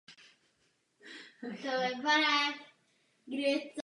Vedení rakouské armády se snažilo incident utajit.